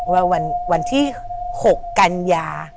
วันที่๖กันยา